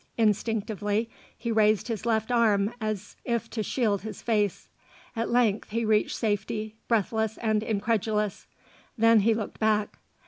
Instinctively he raised his left arm as if to shield his face. At length he reached safety, breathless and incredulous. Then he looked back.